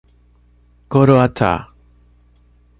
Coroatá